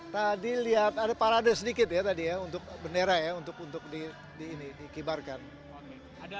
tadi lihat ada parade sedikit ya tadi ya untuk bendera ya untuk di ini dikibarkan